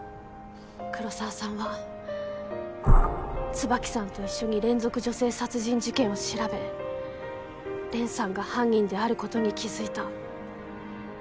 黒澤さんは椿さんと一緒に連続女性殺人事件を調べ蓮さんが犯人であることに気づいた。